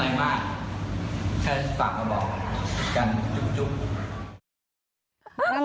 แค่ฝากมาบอกกันจุ๊บ